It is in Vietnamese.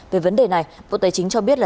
về vấn đề này bộ tài chính cho biết